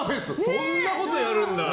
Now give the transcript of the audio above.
そんなことやるんだ。